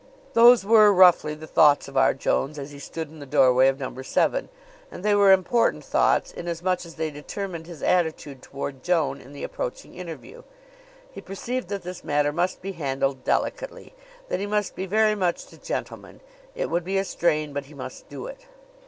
Those were, roughly, the thoughts of R. Jones as he stood in the doorway of Number Seven; and they were important thoughts inasmuch as they determined his attitude toward Joan in the approaching interview. He perceived that this matter must be handled delicately that he must be very much the gentleman. It would be a strain, but he must do it.